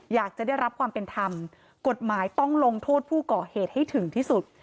อยากจะได้รับความเป็นธรรมกฎหมายต้องลงโทษผู้ก่อเหตุให้ถึงที่สุด